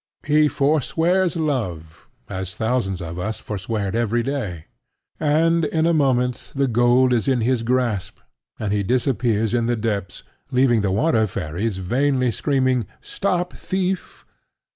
He forswears love as thousands of us forswear it every day; and in a moment the gold is in his grasp, and he disappears in the depths, leaving the water fairies vainly screaming "Stop thief!"